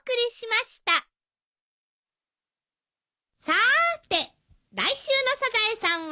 さーて来週の『サザエさん』は？